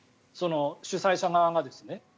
主催者側がですね。